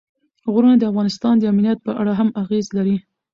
غرونه د افغانستان د امنیت په اړه هم اغېز لري.